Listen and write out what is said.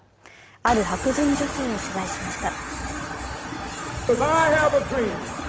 ある白人女性を取材しました。